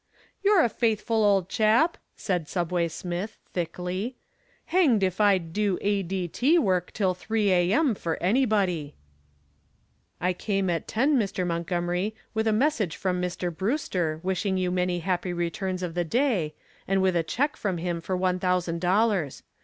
"You're a faithful old chap," said Subway Smith, thickly. "Hanged if I'd do A.D.T. work till three A.M. for anybody." "I came at ten, Mr. Montgomery, with a message from Mr. Brewster, wishing you many happy returns of the day, and with a check from him for one thousand dollars.